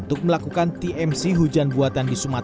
untuk melakukan tmc hujan buatan di sumatera